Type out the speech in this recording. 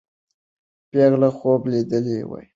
پېغله خوب لیدلی وایي.